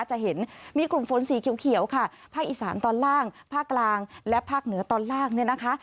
จะเห็นมีกลุ่มฝนสีเขียวค่ะภาคอีสานตอนล่างภาคกลางและภาคเหนือตอนล่างเนี่ยนะคะ